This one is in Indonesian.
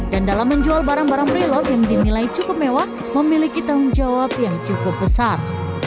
dan dalam menjual barang barang pre loved yang dinilai cukup mewah memiliki tanggung jawab yang cukup besar